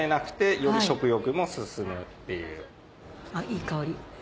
いい香り。